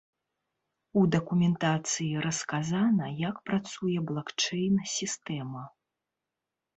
У дакументацыі расказана, як працуе блакчэйн-сістэма.